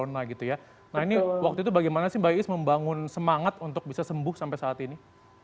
nah ini waktu itu bagaimana sih mbak iis membangun semangat untuk bisa sembuh sampai saat ini